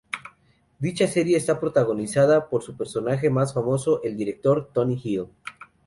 Dicha serie está protagonizada por su personaje más famoso, el doctor Tony Hill.